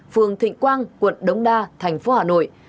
phường thịnh quang quận đống đa thành phố hà nội